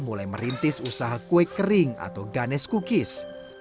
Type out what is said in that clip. mulai merintis usaha kue kering atau ganes cookies